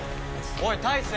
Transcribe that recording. おい大成！